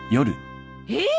えっ！？